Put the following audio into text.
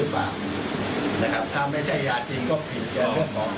และเรื่องของการปลอมแปลงยายอีกข้ออาณึก